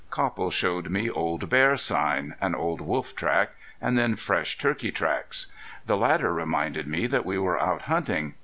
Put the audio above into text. Copple showed me old bear sign, an old wolf track, and then fresh turkey tracks. The latter reminded me that we were out hunting.